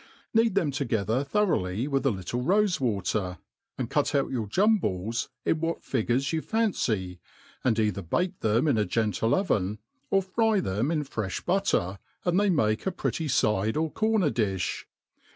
Knead them altogether thoroughly with a little rofe water, and cut out your jumballs in what figures you fancj; and either bake them in a gentle oven, or fry them in frefli butter, and they make a pretty fide or corner ,difli.